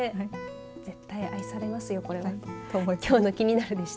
絶対、愛されますよ、これは。と思います。